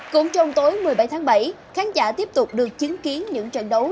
cũng trong tối một mươi bảy tháng bảy khán giả tiếp tục được chứng kiến những trận đấu